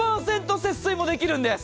節水もできるんです。